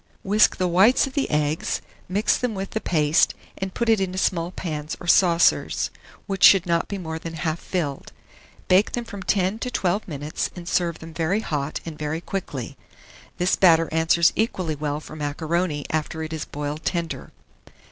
Whisk the whites of the eggs, mix them with the paste, and put it into small pans or saucers, which should not be more than half filled. Bake them from 10 to 12 minutes, and serve them very hot and very quickly. This batter answers equally well for macaroni after it is boiled tender.